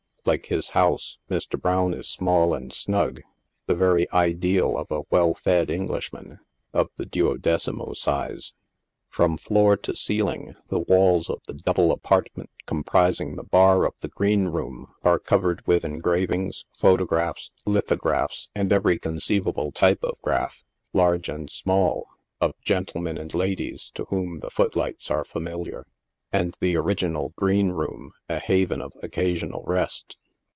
Like his house, Mr. Browne is small and snug, the very ideal of a well fed Englishman, of the duodecimo size. From floor to ceiling, the walls of the double apartment comprising the bar of the Green Room are covered with engravings, photographs, litho graphs, and every conceivable style of graph, large and small, of gentlemen and ladies to whom the foot lights are familiar, and the original green room a haven of occasional rest.